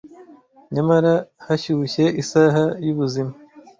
Nyamara hashyushye, isaha yubuzima!